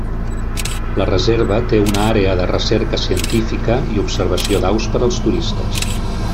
La reserva té una àrea de recerca científica i observació d'aus per als turistes.